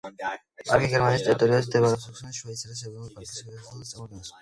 პარკი გერმანიის ტერიტორიაზე მდებარე საქსონიის შვეიცარიის ეროვნული პარკის გაგრძელებას წარმოადგენს.